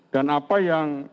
dan apa yang